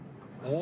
お。